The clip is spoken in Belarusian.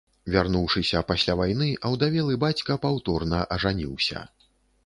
Вярнуўшыся пасля вайны, аўдавелы бацька паўторна ажаніўся.